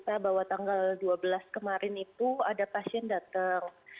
kita bahwa tanggal dua belas kemarin itu ada pasien datang